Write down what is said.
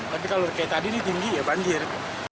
tapi kalau kayak tadi ini tinggi ya banjir